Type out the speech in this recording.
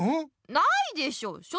ないでしょ。